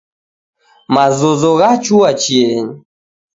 Mazozo ghachua chienyi.